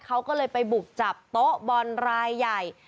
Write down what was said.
เขาก็เลยไปบุกจับโต๊ะบอลรายใหญ่